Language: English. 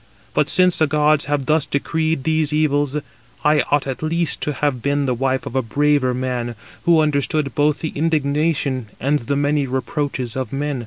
But since the gods have thus decreed these evils, I ought at least to have been the wife of a braver man, who understood both the indignation and the many reproaches of men.